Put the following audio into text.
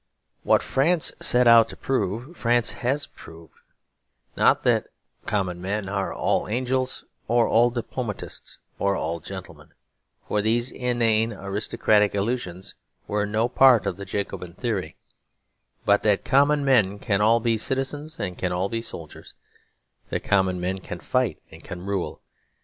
What France set out to prove France has proved; not that common men are all angels, or all diplomatists, or all gentlemen (for these inane aristocratic illusions were no part of the Jacobin theory), but that common men can all be citizens and can all be soldiers; that common men can fight and can rule.